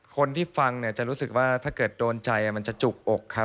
คนที่ฟังเนี่ยจะรู้สึกว่าถ้าเกิดโดนใจมันจะจุกอกครับ